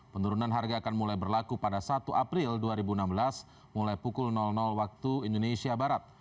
penurunan harga akan mulai berlaku pada satu april dua ribu enam belas mulai pukul waktu indonesia barat